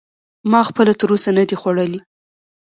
ما خپله تر اوسه نه دی خوړلی.